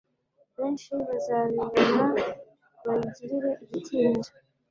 benshi bazabibona bayigirire igitinyiro